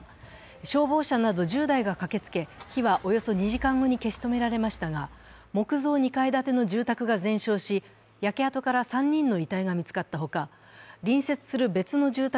消防車など１０台が駆けつけ火はおよそ２時間半後に消し止められましたが、木造２階建ての住宅が全焼し焼け跡から３人の遺体が見つかったほか隣接する別の住宅